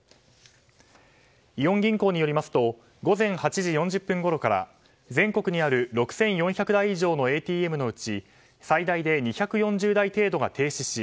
イオン銀行によりますと午前８時４０分ごろから全国にある６４００台以上のＡＴＭのうち最大で２４０台程度が停止し